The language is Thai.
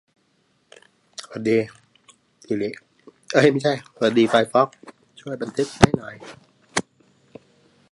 อนุมัติการสนับสนุนโครงการ